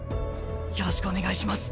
よろしくお願いします。